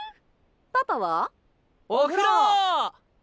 パパは？お風呂！